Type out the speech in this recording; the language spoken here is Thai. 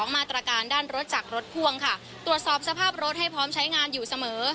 มาตรการด้านรถจากรถพ่วงค่ะตรวจสอบสภาพรถให้พร้อมใช้งานอยู่เสมอ